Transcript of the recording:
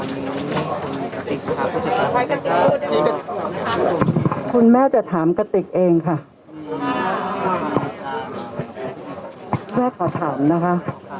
เดี๋ยวถามกะติกเองค่ะคุณแม่ขอถามนะคะ